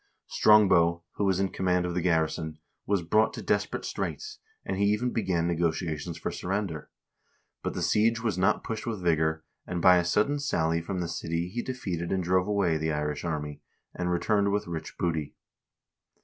Strongbow, who was in command of the garrison, was brought to desperate straits, and he even began negotiations for surrender ; but the siege was not pushed with vigor, and by a sudden sally from the city he defeated and drove away the Irish army, and returned with rich booty.